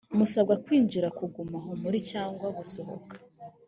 musabwa kwinjira kuguma aho muri cyangwa gusohoka